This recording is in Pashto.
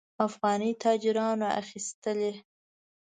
افغاني تاجرانو اخیستلې.